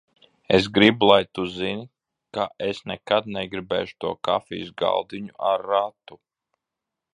Es gribu, lai tu zini, ka es nekad negribēšu to kafijas galdiņu ar ratu.